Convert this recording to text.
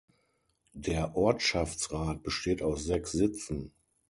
Der Ortschaftsrat besteht aus sechs Sitzen.